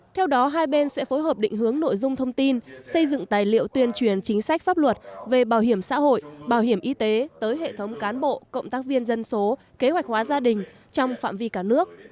theo đó hai bên sẽ phối hợp định hướng nội dung thông tin xây dựng tài liệu tuyên truyền chính sách pháp luật về bảo hiểm xã hội bảo hiểm y tế tới hệ thống cán bộ cộng tác viên dân số kế hoạch hóa gia đình trong phạm vi cả nước